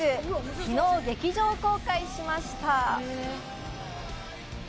昨日、劇場公開しました。